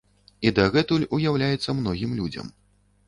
І дагэтуль уяўляецца многім людзям.